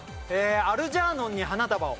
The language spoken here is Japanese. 『アルジャーノンに花束を』。